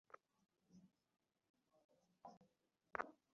একদিকে নাব্যতাসংকট, অন্যদিকে বৈরী আবহাওয়ার কারণে ফেরি পারাপারে সমস্যায় পড়তে হয়েছে।